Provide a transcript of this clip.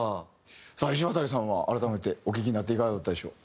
さあいしわたりさんは改めてお聴きになっていかがだったでしょう？